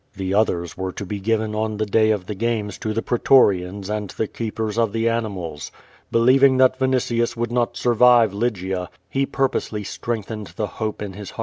The others were to be given on the day of the games to the pretorians aiul the keepers of the animals. Believing that Vinitius would not survive Lygia, he purposely strengthened the hope in his 394 <?^^ VADI8.